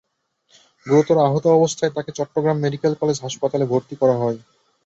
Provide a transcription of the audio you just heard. গুরুতর আহত অবস্থায় তাঁকে চট্টগ্রাম মেডিকেল কলেজ হাসপাতালে ভর্তি করা হয়।